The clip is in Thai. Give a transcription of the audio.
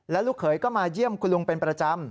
ลูกเขยก็มาเยี่ยมคุณลุงเป็นประจำ